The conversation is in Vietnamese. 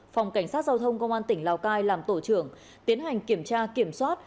phòng cảnh sát giao thông công an tỉnh lào cai làm tổ trưởng tiến hành kiểm tra kiểm soát